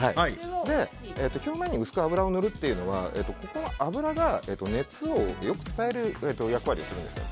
表面に薄く油を塗るというのはここの油が熱をよく伝える役割をするんですね。